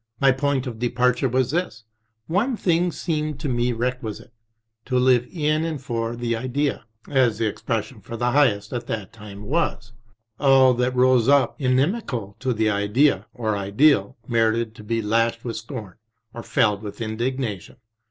My point of departure was this : one thing seemed to me requisite, to live in and for The Idea, as the expression for the highest at that time was. All io6 REMINISCENCES that rose up inimical to The Idea or Ideal merited to be lashed with scorn or felled with indignation.